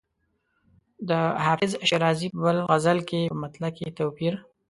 د حافظ شیرازي په بل غزل کې په مطلع کې توپیر.